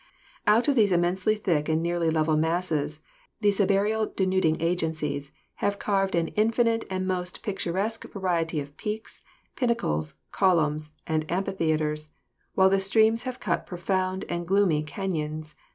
Out of these immensely thick and nearly level masses the subaerial denuding agencies have carved an infinite and most picturesque variety of peaks, pinnacles, columns and amphitheaters, while the streams have cut profound and gloomy canons.